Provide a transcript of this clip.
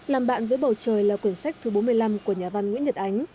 làm bạn với bầu trời là cuốn sách thứ bốn mươi năm của nhà văn nguyễn nhật ánh